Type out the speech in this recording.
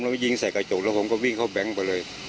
แล้วยิงใส่กระจกแล้วผมก็วิ่งเข้าแบงค์ไปเลย